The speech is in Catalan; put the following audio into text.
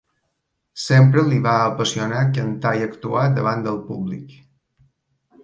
Sempre li va apassionar cantar i actuar davant del públic.